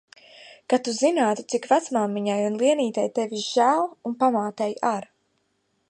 Kad tu zinātu, cik vecmāmiņai un Lienītei tevis žēl. Un pamātei ar.